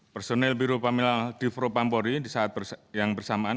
personil biro plaminal di propam pohri di saat yang bersamaan